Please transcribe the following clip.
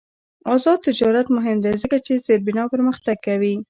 آزاد تجارت مهم دی ځکه چې زیربنا پرمختګ کوي.